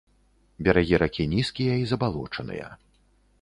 Берагі ракі нізкія і забалочаныя.